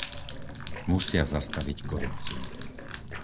Musia zastaviť korupciu.